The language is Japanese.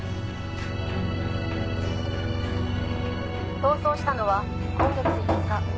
逃走したのは今月５日。